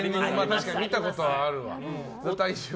確かに、見たことはあるわ。